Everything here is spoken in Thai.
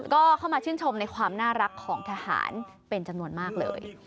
ก็เข้ามาชื่นชมในความน่ารักของทหารเป็นจำนวนมากเลย